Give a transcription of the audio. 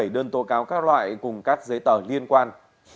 hai mươi bảy đơn tố cáo các loại cùng các giấy tờ liên quan